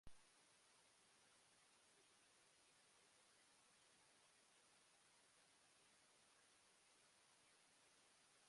The remaining structure is called an "adenine residue", as part of a larger molecule.